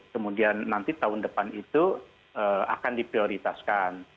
kemudian nanti tahun depan itu akan diprioritaskan